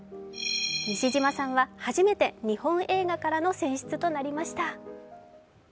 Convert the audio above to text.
西島さんは初めて日本映画からの選出となりました。